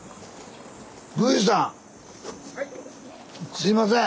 すいません！